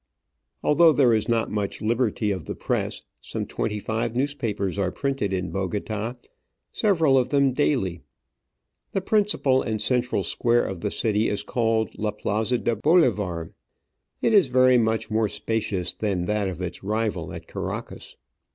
Although there is not much liberty of the press, some twenty five newspapers are printed in Bogota, several of them daily. The principal and central square of the city is called La Plaza de Bolivar ; it is very much more spacious than that of its rival at Caracas.